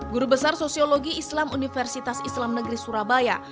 guru besar sosiologi islam universitas islam negeri surabaya